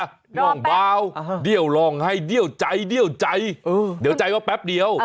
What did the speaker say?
ม่วงเบาเดี๋ยวลองให้เดี้ยวใจเดียวใจเดี๋ยวใจว่าแป๊บเดียว